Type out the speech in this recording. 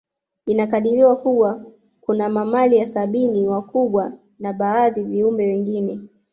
Inakadiriwa Kuwa kuna mamalia sabini wakubwa na baadhi ya viumbe wengine